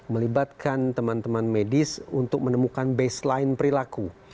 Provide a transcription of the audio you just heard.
melibatkan teman teman medis untuk menemukan baseline perilaku